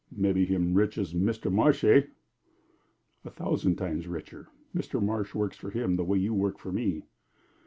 "Mebbe him rich as Mr. Marsh, eh?" "A thousand time richer. Mr. Marsh works for him the way you work for me."